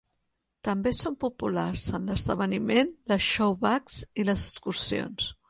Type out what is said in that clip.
També són populars en l'esdeveniment les "showbags" i les excursions.